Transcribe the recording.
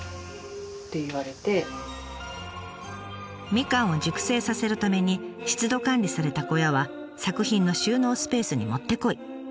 みかんを熟成させるために湿度管理された小屋は作品の収納スペースにもってこい。